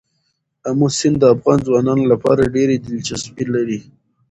آمو سیند د افغان ځوانانو لپاره ډېره دلچسپي لري.